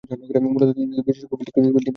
মূলতঃ তিনি বিশেষজ্ঞ ফিল্ডিং কোচ হিসেবে পরিচিত।